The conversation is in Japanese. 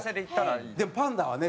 でもパンダはね